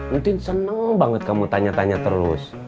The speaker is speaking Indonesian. untin seneng banget kamu tanya tanya terus